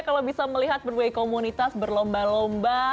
kalau bisa melihat berbagai komunitas berlomba lomba